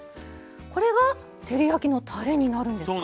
これが照り焼きのたれになるんですか？